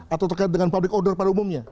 atau terkait dengan public order pada umumnya